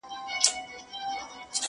چي که مړ سوم زه به څرنګه یادېږم؟؛